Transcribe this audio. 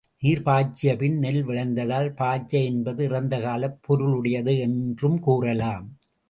நீர் பாய்ச்சிய பின் நெல் விளைந்ததால், பாய்ச்ச என்பது இறந்த காலப் பொருளுடையது என்றும் கூறலாம்.